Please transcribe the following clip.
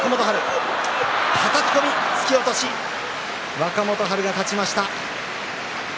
若元春が勝ちました。